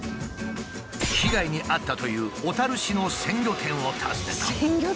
被害に遭ったという小市の鮮魚店を訪ねた。